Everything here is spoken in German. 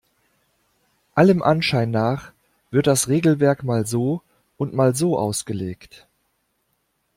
Allem Anschein nach wird das Regelwerk mal so und mal so ausgelegt.